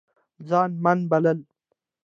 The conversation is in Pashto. ځان من بلل